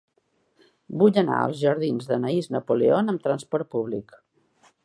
Vull anar als jardins d'Anaïs Napoleon amb trasport públic.